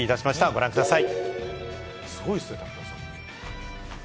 ご覧ください。